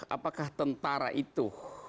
apakah tentara itu